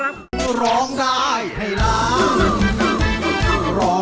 ผ่านยกที่สองไปได้นะครับคุณโอ